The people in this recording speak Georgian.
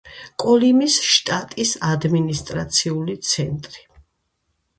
კოლიმის შტატის ადმინისტრაციული ცენტრი.